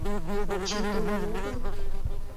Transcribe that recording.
Вачи толын огыл?